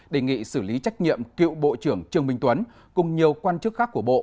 đề nghị xử lý trách nhiệm cựu bộ trưởng trương minh tuấn cùng nhiều quan chức khác của bộ